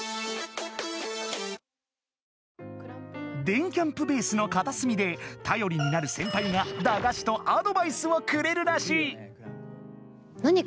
電キャんぷベースのかたすみでたよりになるセンパイが駄菓子とアドバイスをくれるらしい。